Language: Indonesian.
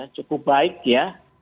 cukup baik ya